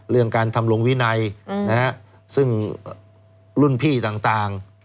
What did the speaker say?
เรื่องการทำลงวินัยซึ่งรุ่นพี่ต่าง